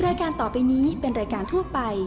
รายการต่อไปนี้เป็นรายการทั่วไป